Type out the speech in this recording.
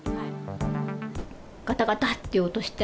がたがたって音して。